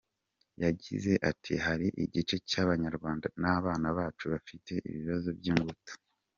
Yagize ati “Hari igice cy’Abanyarwanda n’abana bacu bafite ibibazo by’ingutu.